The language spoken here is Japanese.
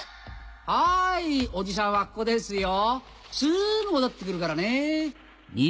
はいおじさんはここですよすぐ戻ってくるからね。